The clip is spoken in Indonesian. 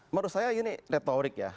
menurut saya ini retorik ya